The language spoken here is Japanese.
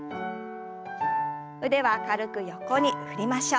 腕は軽く横に振りましょう。